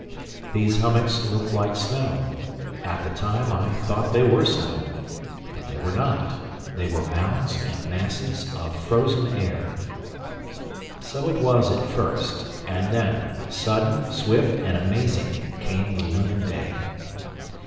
These hummocks looked like snow. At the time I thought they were snow. But they were not—they were mounds and masses of frozen air. So it was at first; and then, sudden, swift, and amazing, came the lunar day.